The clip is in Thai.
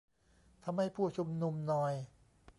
ทำให้ผู้ชุมนุมนอย